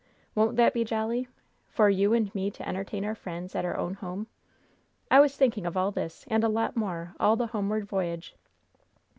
Won't that be jolly? For you and me to entertain our friends at our own home! I was thinking of all this, and a lot more, all the homeward voyage.